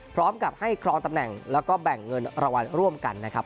พร้อมกับให้ครองตำแหน่งแล้วก็แบ่งเงินรางวัลร่วมกันนะครับ